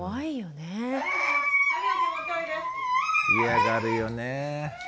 嫌がるよねえ。